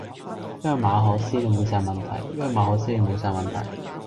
因為馬可思你無曬問題，因為馬可思你無曬問題